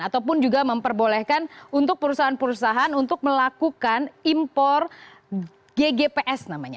ataupun juga memperbolehkan untuk perusahaan perusahaan untuk melakukan impor ggps namanya